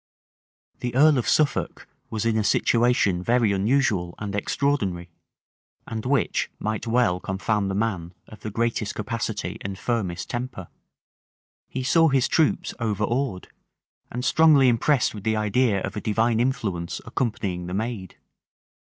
The earl of Suffolk was in a situation very unusual and extraordinary, and which might well confound the man of the greatest capacity and firmest temper. He saw his troops overawed, and strongly impressed with the idea of a divine influence accompanying the maid.